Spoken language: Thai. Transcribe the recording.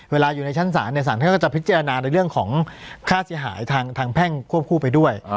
เวลาอยู่ในชั้นศาลศาลท่านก็จะพิจารณาในเรื่องของค่าเสียหายทางแพ่งควบคู่ไปด้วย